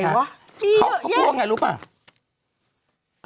เขาพูดว่าไงรู้ป่ะ